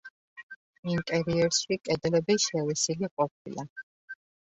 ინტერიერში კედლები შელესილი ყოფილა.